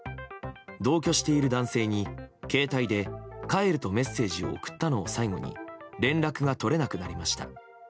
同居している男性に携帯で、帰るとメッセージを送ったのを最後に連絡が取れなくなりました。